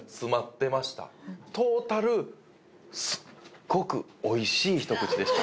トータルすっごく美味しいひと口でした。